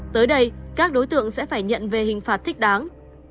tới đây các đối tượng sẽ phải nhận về hình phạt thích đáng